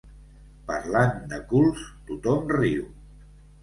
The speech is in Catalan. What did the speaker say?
Parlant de culs, tothom riu.